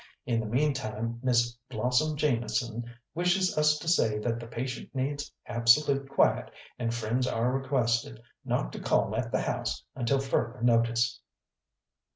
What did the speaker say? In the meantime Miss Blossom Jameson wishes us to say that the patient needs absolute quiet, and friends are requested not to call at the house until further notice."